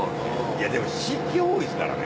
いやでも湿気多いですからね。